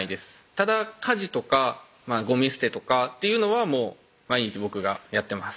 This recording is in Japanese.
ただ家事とかゴミ捨てとかっていうのはもう毎日僕がやってます